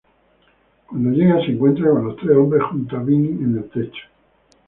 Cuando llega se encuentra con los tres hombres junto a Vinnie en el techo.